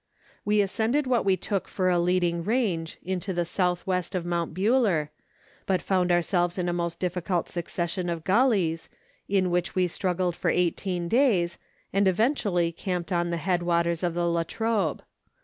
We ascended what we took for a leading range to the south west of Mount Buller, but found our selves in a most difficult succession of gullies, in which we struggled for eighteen days, and eventually camped on the head waters of the La Trobe.